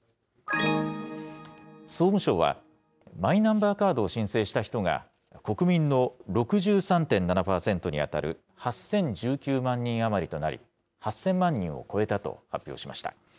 総務省は、マイナンバーカードを申請した人が、国民の６３．７％に当たる８０１９万人余りとなり、８０００万人を超えたと発表しました。